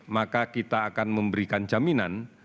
maka kita akan memberikan jaminan